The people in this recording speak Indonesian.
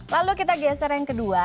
lalu kita geser yang kedua